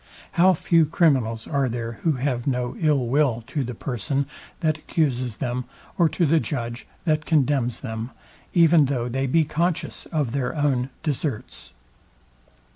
How few criminals are there, who have no ill will to the person, that accuses them, or to the judge, that condemns them, even though they be conscious of their own deserts?